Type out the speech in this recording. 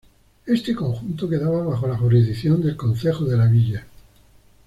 Este conjunto quedaba bajo la jurisdicción del concejo de la villa.